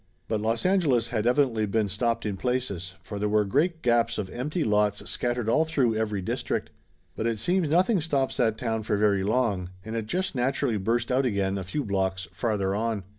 But Los Angeles had evidently been stopped in places, for there was great gaps of empty lots scattered all through every district. But it seems nothing stops that town for very long, and it just naturally burst out again a few blocks farther on.